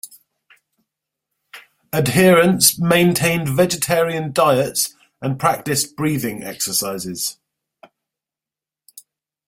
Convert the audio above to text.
Adherents maintained vegetarian diets and practiced breathing exercises.